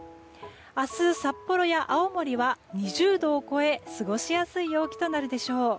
明日、札幌や青森は２０度を超え過ごしやすい陽気となるでしょう。